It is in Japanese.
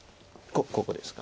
ここですか。